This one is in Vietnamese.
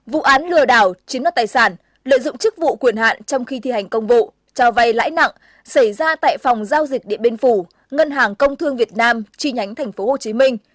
bảy vụ án lừa đảo trí nất tài sản lợi dụng chức vụ quyền hạn trong khi thi hành công vụ cho vay lãi nặng xảy ra tại phòng giao dịch địa bên phủ ngân hàng công thương việt nam chi nhánh tp hcm